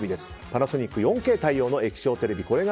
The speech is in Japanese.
パナソニック４Ｋ対応の液晶テレビ